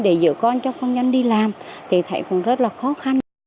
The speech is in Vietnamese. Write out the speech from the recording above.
để dựa con cho con nhanh đi làm thì thấy cũng rất là khó khăn